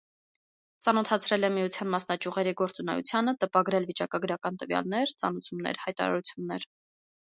Ծանոթացրել է միության մասնաճյուղերի գործունեությանը, տպագրել վիճակագրական տվյալներ, ծանուցումներ, հայտարարություններ։